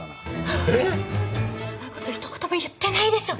そんなこと一言も言ってないでしょ。